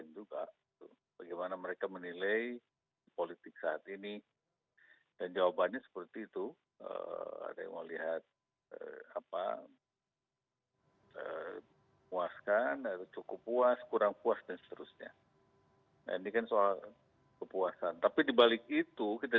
jangan bandingkan demokrasi di kita